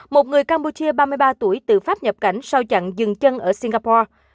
bộ y tế campuchia ba mươi ba tuổi từ pháp nhập cảnh sau chặn dừng chân ở singapore